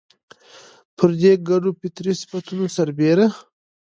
پر دې ګډو فطري صفتونو سربېره